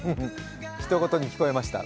ひと事に聞こえました？